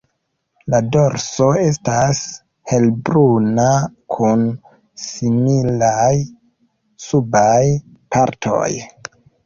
La dorso estas helbruna kun similaj subaj partoj.